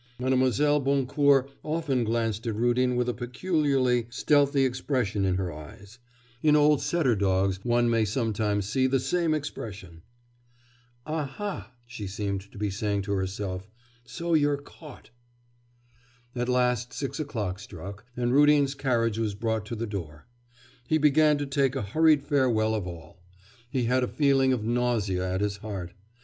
Mlle. Boncourt often glanced at Rudin with a peculiarly stealthy expression in her eyes; in old setter dogs one may sometimes see the same expression. 'Aha!' she seemed to be saying to herself, 'so you're caught!' At last six o'clock struck, and Rudin's carriage was brought to the door. He began to take a hurried farewell of all. He had a feeling of nausea at his heart.